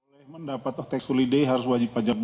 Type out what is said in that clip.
dan kemudianbuttering all technologies